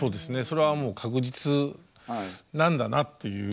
それはもう確実なんだなっていう。